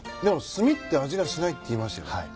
でも「炭って味がしない」って言いましたよね？